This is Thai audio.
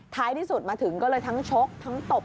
ท้ายที่สุดมาถึงก็เลยทั้งชกทั้งตบ